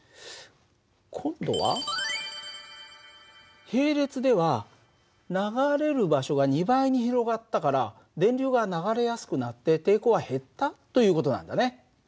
今度は並列では流れる場所が２倍に広がったから電流が流れやすくなって抵抗は減ったという事なんだね。